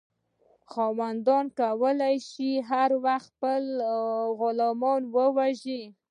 خاوندانو کولی شول چې هر وخت خپل غلامان ووژني.